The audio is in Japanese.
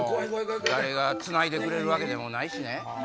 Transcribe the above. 誰がつないでくれるわけでもないしね。